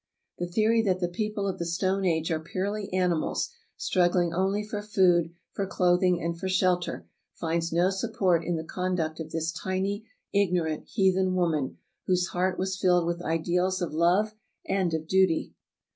The theory that the people of the stone age are purely animals, struggling only for food, for clothmg, and for shelter, finds no support in the conduct of this tiny, ignorant, heathen woman, whose heart was filled with ideals of love and of duty.